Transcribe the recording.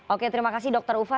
oke terima kasih dr ufa